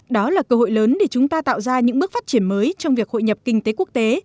đó là cơ hội lớn để chúng ta tạo ra những bước phát triển mới trong việc hội nhập kinh tế quốc tế